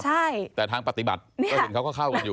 ใช่แต่ทางปฏิบัตินี่ก็เห็นเขาก็เข้ากันอยู่